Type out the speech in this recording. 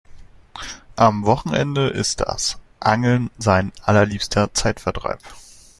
Am Wochenende ist das Angeln sein allerliebster Zeitvertreib.